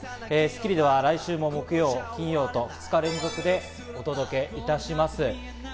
『スッキリ』では来週も木曜、金曜と２日連続でお届けいたします。